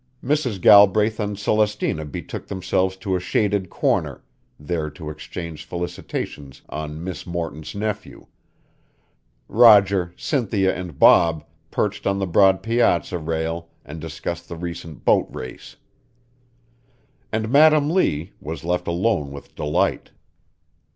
Mrs. Galbraith and Celestina betook themselves to a shaded corner, there to exchange felicitations on Miss Morton's nephew; Roger, Cynthia, and Bob perched on the broad piazza rail and discussed the recent boat race; and Madam Lee was left alone with Delight.